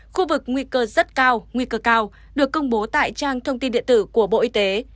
khu vực nguy cơ rất cao nguy cơ cao được công bố tại trang thông tin điện tử của bộ y tế